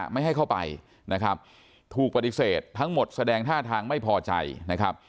ไม่ให้เข้าไปนะครับถูกปฏิเสธทั้งหมดแสดงท่าทางไม่พอใจนะครับ